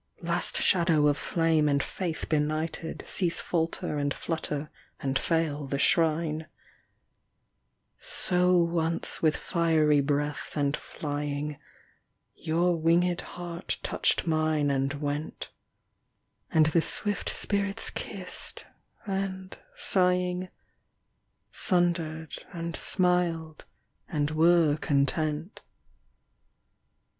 Last shadow of flame and faith benighted, Sees falter and flutter and fail the shrine) So once with fiery breath and flying Your winged heart touched mine and went, And the swift spirits kissed, and sighing. Sundered and smiled and were content.